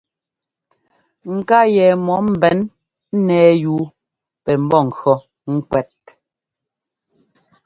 Ŋká yɛ mɔ ḿbɛn ńnɛ́ɛ yúu pɛ mbɔ́ŋkʉɔ́ ŋ́kwɛ́t.